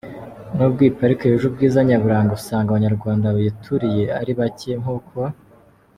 Nubwo iyi pariki yuje ubwiza nyaburanga usanga Abanyarwanda bayituriye ari bake, nk’uko .